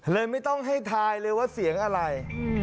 ไม่ต้องให้ทายเลยว่าเสียงอะไร